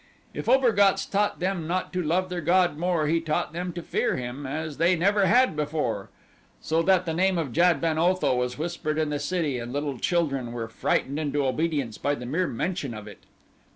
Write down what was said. If Obergatz taught them not to love their god more he taught them to fear him as they never had before, so that the name of Jad ben Otho was whispered in the city and little children were frightened into obedience by the mere mention of it.